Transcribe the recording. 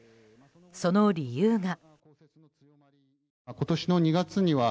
その理由が。